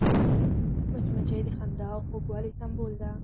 مچمچۍ د خندا او خوږوالي سمبول ده